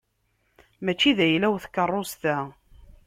Mačči d ayla-w tkeṛṛust-a.